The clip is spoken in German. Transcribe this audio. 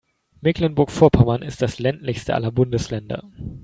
Mecklenburg-Vorpommern ist das ländlichste aller Bundesländer.